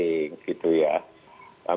misalnya gitu kemudian dia hanya calon boneka